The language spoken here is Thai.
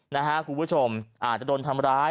นะฮะคุณผู้ชมอาจจะโดนทำร้าย